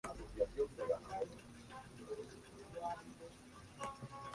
Se encuentra en Bután, China, India, Birmania y Nepal.